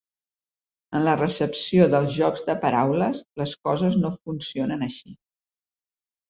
En la recepció dels jocs de paraules les coses no funcionen així.